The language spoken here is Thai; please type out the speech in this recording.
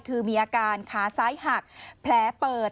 คือมีอาการขาซ้ายหักแผลเปิด